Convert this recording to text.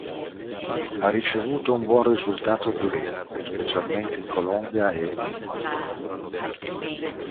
Ha ricevuto un buon risultato di rating, specialmente in Colombia e Ecuador.